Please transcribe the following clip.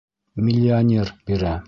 Миллионер бирә!